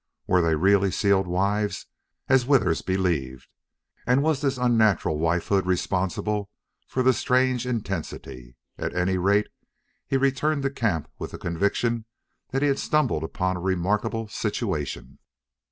Were they really sealed wives, as Withers believed, and was this unnatural wife hood responsible for the strange intensity? At any rate he returned to camp with the conviction that he had stumbled upon a remarkable situation.